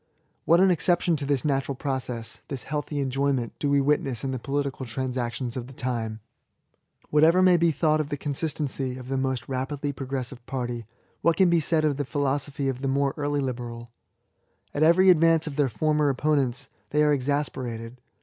What an exception to this natural process, this healthy enjojrment, do we witness in the political transactions of the time ! Whatever may be thought of the consistency of the most rapidly progressiye party, what can be said of the philo | sophy of the more early liberal ? At every advance of their former opponents, they are exasperated.